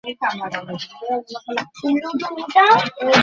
আব্বুদ-এর শিশু বোন, যে প্রায়শই তাদের দুঃসাহসিক অভিযানে দলটির সাথে থাকে।